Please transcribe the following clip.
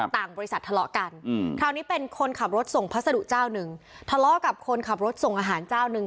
ต่างบริษัททะเลาะกันคราวนี้เป็นคนขับรถส่งพัสดุเจ้าหนึ่งทะเลาะกับคนขับรถส่งอาหารเจ้าหนึ่ง